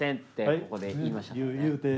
ここで言いましたからね。